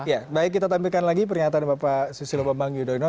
ya baik kita tampilkan lagi pernyataan bapak susilo bambang yudhoyono